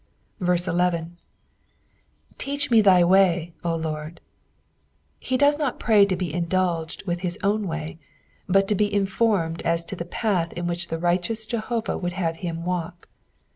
It. " Teach ma thy tray, 0 Lord.^' He docs not prsy to be indulged with his own "way, but to be informed as to the path in which the righteous Jeliovalt would have him walk.